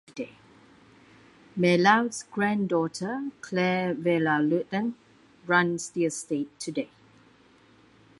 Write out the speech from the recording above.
Merlaut's granddaughter, Claire Villars-Lurton, runs the estate today.